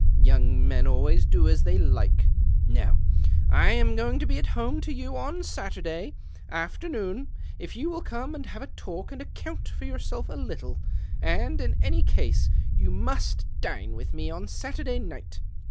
Young men always do as they like. Now, I am going to be at home to you on Saturday afternoon, if you will come and have a talk and account for yourself a little, and, in any case, you must dine with me on Saturday night.